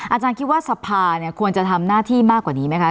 อาจารย์คิดว่าสภาเนี่ยควรจะทำหน้าที่มากกว่านี้ไหมคะ